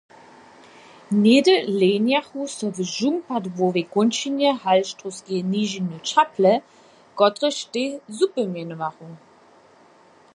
Něhdy lehnjechu so w žumpadłowej kónčinje Halštrowskeje nižiny čaple, kotrež tež supy mjenowachu.